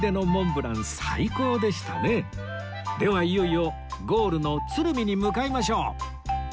ではいよいよゴールの鶴見に向かいましょう